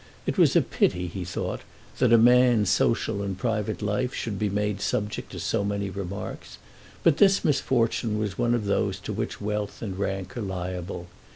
It was a pity, he thought, that a man's social and private life should be made subject to so many remarks, but this misfortune was one of those to which wealth and rank are liable.